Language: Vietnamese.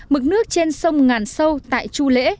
mực nước trên sông ngàn sâu tại chu lễ